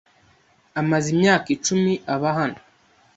Amaze imyaka icumi aba hano.